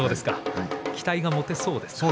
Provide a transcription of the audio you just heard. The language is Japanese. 期待が持てそうですか？